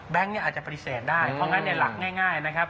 แบงค์เนี่ยอาจจะปฏิเสธได้เพราะฉะนั้นเนี่ยหลักง่ายนะครับ